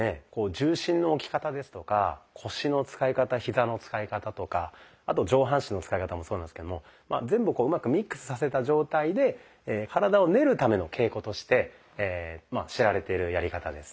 重心の置き方ですとか腰の使い方ヒザの使い方とかあと上半身の使い方もそうなんですけども全部をうまくミックスさせた状態でとして知られているやり方です。